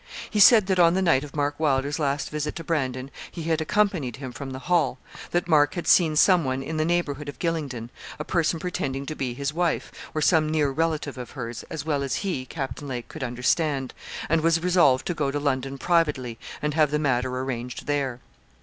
He said that on the night of Mark Wylder's last visit to Brandon, he had accompanied him from the Hall; that Mark had seen some one in the neighbourhood of Gylingden, a person pretending to be his wife, or some near relative of hers, as well as he, Captain Lake, could understand, and was resolved to go to London privately, and have the matter arranged there.